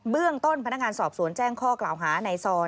เรื่องต้นพนักงานสอบสวนแจ้งข้อกล่าวหาในซอน